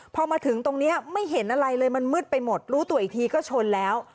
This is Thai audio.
พอมาถึงตรงนี้ไม่เห็นอะไรเลยมันมืดไปหมดรู้ตัวอีกทีก็ชนแล้ว